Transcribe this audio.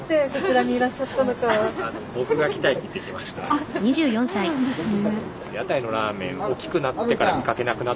あっそうなんですね。